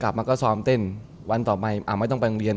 พอซอมเต้นวันต่อไปอ่าไม่ต้องไปโรงเรียน